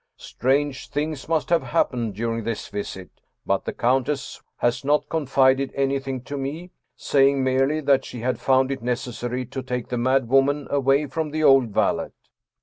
Strange things must have happened during this visit, but the countess has 'not confided anything to me, saying merely that she had found it necessary to take the mad woman away from the old valet.